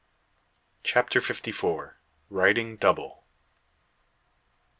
CHAPTER FIFTY FOUR. RIDING DOUBLE.